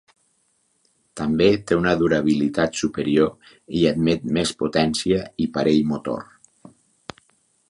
També té una durabilitat superior i admet més potència i parell motor.